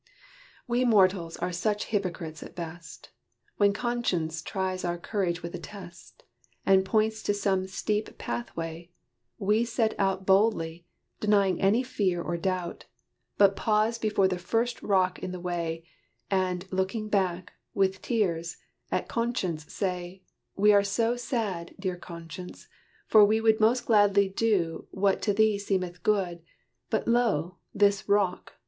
We mortals are such hypocrites at best! When Conscience tries our courage with a test, And points to some steep pathway, we set out Boldly, denying any fear or doubt; But pause before the first rock in the way, And, looking back, with tears, at Conscience, say "We are so sad, dear Conscience! for we would Most gladly do what to thee seemeth good; But lo! this rock!